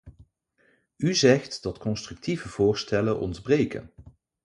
U zegt dat constructieve voorstellen ontbreken.